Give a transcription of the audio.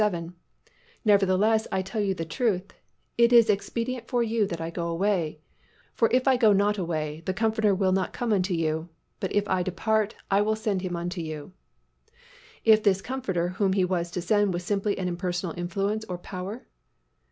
7, "Nevertheless I tell you the truth: It is expedient for you that I go away: for if I go not away, the Comforter will not come unto you; but if I depart, I will send Him unto you," if this Comforter whom He was to send was simply an impersonal influence or power?